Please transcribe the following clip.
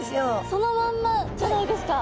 そのまんまじゃないですか。